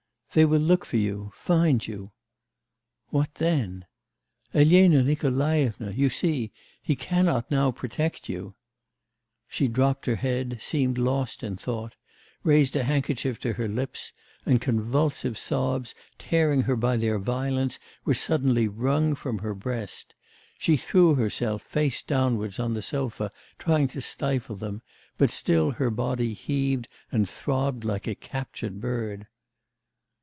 'They will look for you find you ' 'What then?' 'Elena Nikolaevna! You see. He cannot now protect you.' She dropped her head, seemed lost in thought, raised a handkerchief to her lips, and convulsive sobs, tearing her by their violence, were suddenly wrung from her breast. She threw herself, face downwards, on the sofa, trying to stifle them, but still her body heaved and throbbed like a captured bird.